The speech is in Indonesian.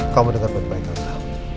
kamu denger baik baik elsa